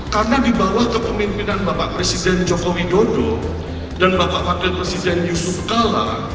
karena di bawah kepemimpinan bapak presiden joko widodo dan bapak wakil presiden yusuf kala